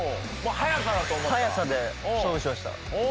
速さで勝負しました。